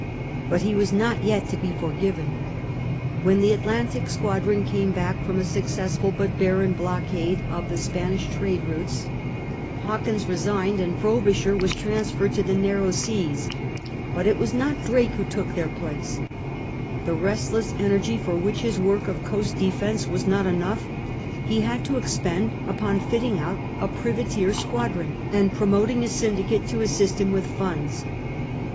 But he was not yet to be forgiven. When the Atlantic squadron came back from a suc cessful but barren blockade of the Spanish trade routes, ^ S, P. Bom, Miz, ccxxxi. 94. XIII LOSS OF THE 'REVENGE* 193 Hawkins resigned and Frobisber was transferred to tbe narrow seas, but it was not Drake wbo took tbeir place. The restless energy for which his work of coast defence was not enough, he had to expend upon fitting out a privateer squadron and promoting a syndicate to assist him with funds.